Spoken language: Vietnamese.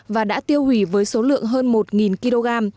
và đã tiêu hủy với số lượng hơn một kg